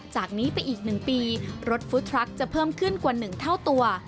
จากนี้ไปอีก๑ปีรถฟู้ดทรัคจะเพิ่มขึ้นกว่า๑เท่าตัว